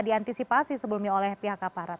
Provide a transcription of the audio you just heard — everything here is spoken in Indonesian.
diantisipasi sebelumnya oleh pihak aparat